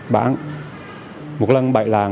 bạn một lần bậy làng